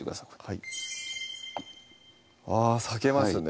はいあぁさけますね